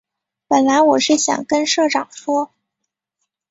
本来我是想跟社长说